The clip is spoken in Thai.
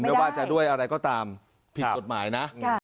ไม่ว่าจะด้วยอะไรก็ตามผิดกฎหมายนะ